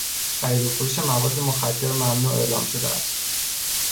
خرید و فروش مواد مخدر ممنوع اعلام شده است.